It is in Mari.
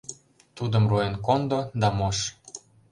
Тудым руэн кондо да мош..